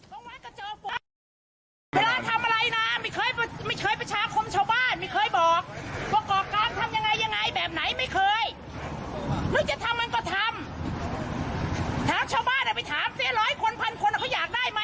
ทางชาวบ้านไปถามสิร้อยคนพันคนเขาอยากได้ไหม